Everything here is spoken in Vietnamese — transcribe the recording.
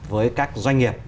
với các doanh nghiệp